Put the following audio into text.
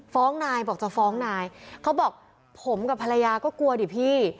ฟ้องนายบอกจะฟ้องนายเขาบอกผมกับภรรยาก็กลัวดิพี่